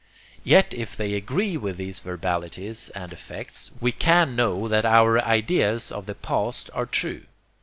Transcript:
Yet if they agree with these verbalities and effects, we can know that our ideas of the past are true.